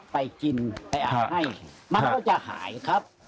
ไปกินไปอาบให้มันก็จะหายครับ